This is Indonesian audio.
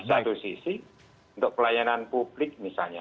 di satu sisi untuk pelayanan publik misalnya